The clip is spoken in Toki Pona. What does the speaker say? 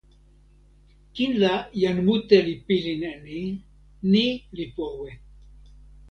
kin la jan mute li pilin e ni: ni li powe.